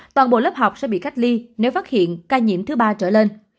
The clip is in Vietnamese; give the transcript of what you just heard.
toàn bộ lớp học sẽ bị cách ly nếu phát hiện ca nhiễm thứ ba trở lên